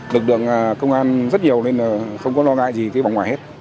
lực lượng công an rất nhiều nên là không có lo ngại gì cái bóng ngoài hết